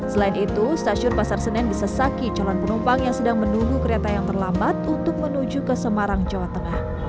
selain itu stasiun pasar senen bisa saki calon penumpang yang sedang menunggu kereta yang terlambat untuk menuju ke semarang jawa tengah